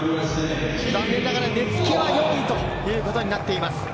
残念ながら根附は４位ということになっています。